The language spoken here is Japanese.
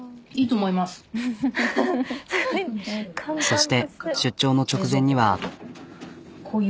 そして出張の直前には。